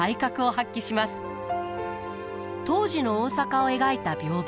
当時の大阪を描いた屏風。